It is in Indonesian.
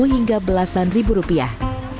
hingga belasan ribu rupiah